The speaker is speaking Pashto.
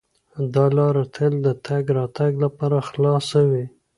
دا لاره تل د تګ راتګ لپاره خلاصه وي.